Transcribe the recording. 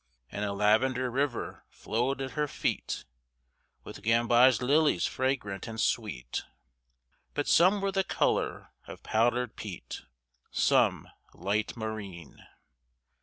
And a lavender river flowed at her feet With gamboge lilies fragrant and sweet, But some were the color of powdered peat, Some light marine.